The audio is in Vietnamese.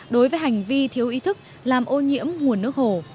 đối với hành vi thiếu ý thức làm ô nhiễm nguồn nước hồ